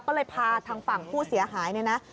ก็เลยพาทางฝั่งผู้เสียหายเนี่ยนะ